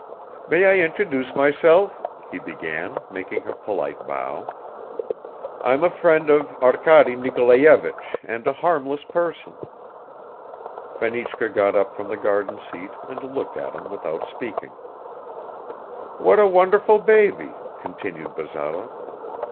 "May I introduce myself?" he began, making a polite bow. "I'm a friend of Arkady Nikolayevich and a harmless person." Fenichka got up from the garden seat and looked at him without speaking. "What a wonderful baby," continued Bazarov.